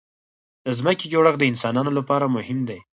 د ځمکې جوړښت د انسانانو لپاره مهم دی.